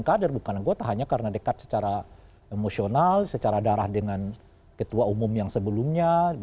kader bukan anggota hanya karena dekat secara emosional secara darah dengan ketua umum yang sebelumnya